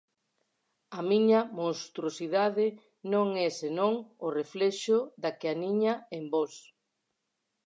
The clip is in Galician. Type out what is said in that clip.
A miña monstruosidade non é senón o reflexo da que aniña en vós.